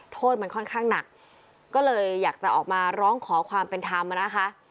โทษมันค่อนข้างหนักก็เลยอยากจะออกมาร้องขอความเป็นธรรมนะคะ